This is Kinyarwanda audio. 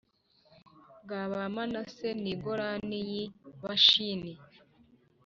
uw’Abamanase ni Golani y’i Bashani.